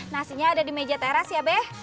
nasinya ada di meja teras ya be